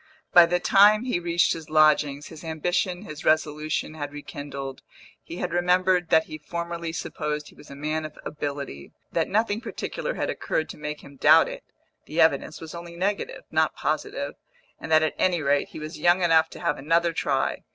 By the time he reached his lodgings, his ambition, his resolution, had rekindled; he had remembered that he formerly supposed he was a man of ability, that nothing particular had occurred to make him doubt it (the evidence was only negative, not positive), and that at any rate he was young enough to have another try.